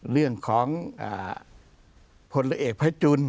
เรื่องของผลรเลขภายจุล